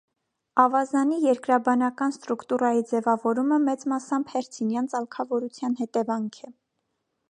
Ավազանի երկրաբանական ստրուկտուրայի ձևավորումը մեծ մասամբ հերցինյան ծալքավորության հետևանք է։